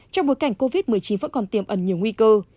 trong bối cảnh covid một mươi chín vẫn còn tiềm ẩn nhiều nguy cơ